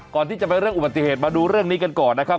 ก่อนที่จะไปเรื่องอุบัติเหตุมาดูเรื่องนี้กันก่อนนะครับ